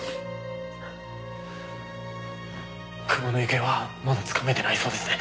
久保の行方はまだつかめてないそうですね。